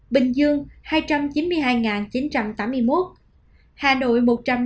bình dương hai trăm chín mươi hai chín trăm tám mươi một hà nội một trăm năm mươi